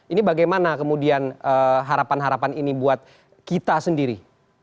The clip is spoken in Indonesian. ini bagaimana kemudian harapan harapan ini buat kita sendiri